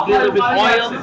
dapatkan sedikit minyak